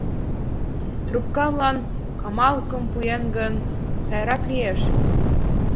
— Трупкамлан тамакым пуэт гын, сайрак лиеш!